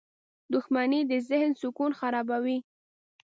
• دښمني د ذهن سکون خرابوي.